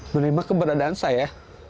menerima keberadaan saya